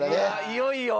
いよいよ？